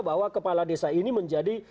bahwa kepala desa ini menjadi